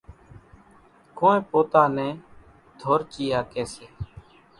ڪونئين پوتا نين ڌورچيئا ڪيَ سي۔